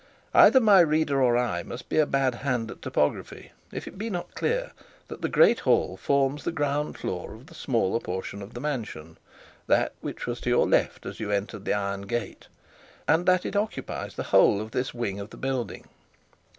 Either my reader or I must be a bad hand at topography, if it be not clear that the great hall forms the ground floor of the smaller portion of the mansion, that which was to your left as you entered the iron gate, and that it occupies the whole of this wing of the building.